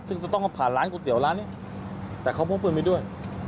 ซึ่งจะต้องมาผ่านร้านก๋วยเตี๋ยวร้านนี้แต่เขาพกปืนไปด้วย